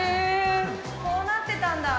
こうなってたんだ。